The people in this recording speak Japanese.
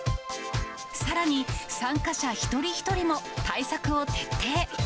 さらに、参加者一人一人も対策を徹底。